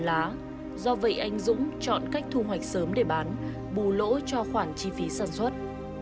anh dũng chọn cách thu hoạch sớm để bán bù lỗ cho khoản chi phí sản xuất